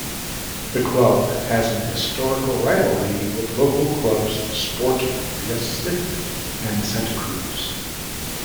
The club has an historical rivalry with local clubs Sport Recife and Santa Cruz.